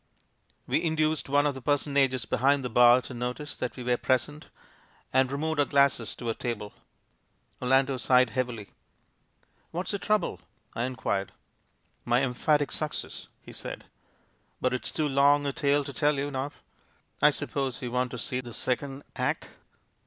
We induced one of the personages behind the bar to notice that we were present, and removed our glasses to a table. Orlando sighed heavily. "What's your trouble?" I inquired. "My 'emphatic success,' " he said. "But it's too long a tale to tell you now — I suppose you want to see the second act?"